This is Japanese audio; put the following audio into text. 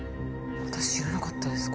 私知らなかったです